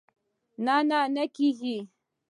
نه، نه کېږي